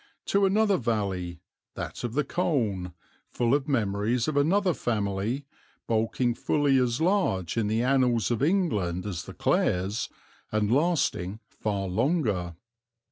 to another valley, that of the Colne, full of memories of another family, bulking fully as large in the annals of England as the Clares, and lasting far longer.